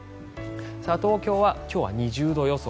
東京は今日は２０度予想。